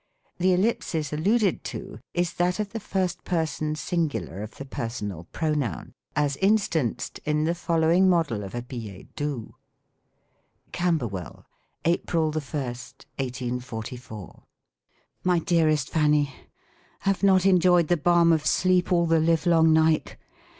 The ellipsis al luded to, is that of the first person singular of the per sonal pronoun, as instanced in the following model of a billet doux :— Camberwell, April 1, 1844. MY DEAKEST FANNY, Have not enjoyed the balm of sleep all the live long night.